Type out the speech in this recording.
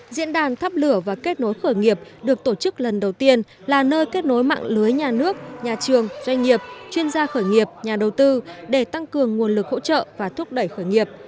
diễn đàn thắp lửa và kết nối khởi nghiệp được tổ chức lần đầu tiên là nơi kết nối mạng lưới nhà nước nhà trường doanh nghiệp chuyên gia khởi nghiệp nhà đầu tư để tăng cường nguồn lực hỗ trợ và thúc đẩy khởi nghiệp